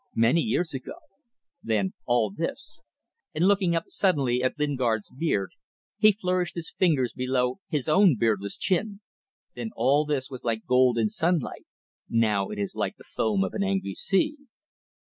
"Many years ago. Then all this" and looking up suddenly at Lingard's beard, he flourished his fingers below his own beardless chin "then all this was like gold in sunlight, now it is like the foam of an angry sea."